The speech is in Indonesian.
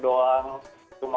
mungkin bikin kue lebaran